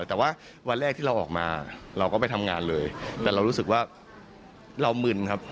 แต่ว่าวันแรกที่เราออกมาเราก็ไปทำงานเลยแต่เรารู้สึกว่าเรามึนครับ